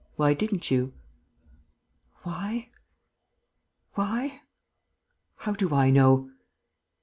Why didn't you?" "Why?... Why?... How do I know?..."